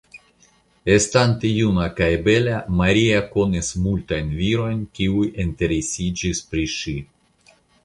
Estante juna kaj bela Maria konis multajn virojn kiuj interesiĝis pri ŝi.